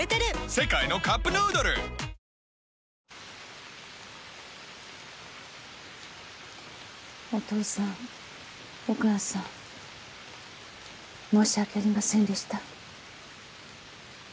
世界のカップヌードルお父さんお母さん申し訳ありませんでした。